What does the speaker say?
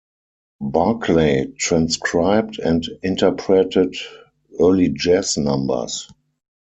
Barclay transcribed and interpreted early jazz numbers.